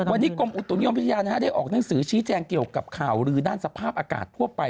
วันนี้กรมอุตุนิยมวิทยาได้ออกหนังสือชี้แจงเกี่ยวกับข่าวลือด้านสภาพอากาศทั่วไป